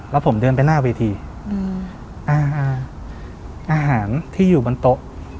แล้วผมเดินไปหน้าเวทีอืมอ่าอ่าอาหารที่อยู่บนโต๊ะ